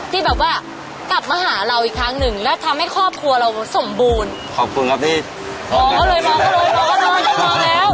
ที่แบบว่ากลับมาหาเราอีกครั้งนึงแล้วทำให้ครอบครัวเราสมบูรณ์